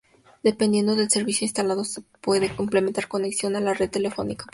Dependiendo del servicio instalado se puede implementar conexión a la red de telefonía pública.